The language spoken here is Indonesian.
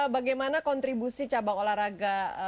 bagaimana kontribusi cabang olahraga